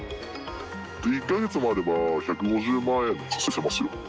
１か月もあれば、１５０万円、稼げますよ。